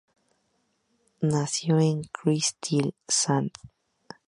Nació en Kristiansand.